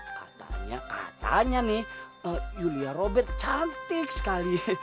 katanya katanya nih yulia robert cantik sekali